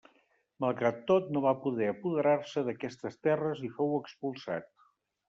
Malgrat tot, no va poder apoderar-se d'aquestes terres i fou expulsat.